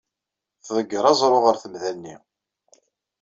Tḍegger aẓru ɣer temda-nni.